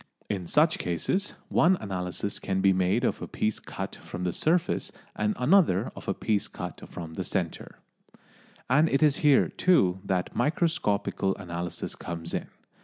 In such cases, one analysis can be made of a piece cut from the surface and another of a piece from the centre. And it is here, too, that microscopical analysis comes in.